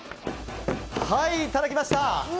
いただきました。